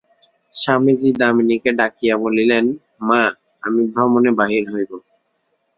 স্বামীজি দামিনীকে ডাকিয়া বলিলেন, মা, আমি ভ্রমণে বাহির হইব।